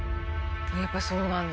やっぱそうなんだ。